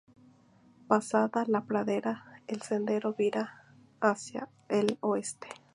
Pasada la pradera el sendero vira hacia el oeste.